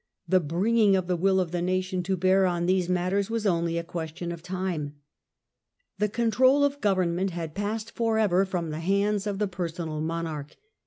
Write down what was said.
the bringing of the will of the nation to bear on these matters was only a question of time. The control of government had passed for ever from the hands of the personal monarch.